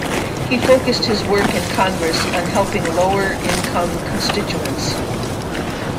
He focused his work in Congress on helping lower income constituents.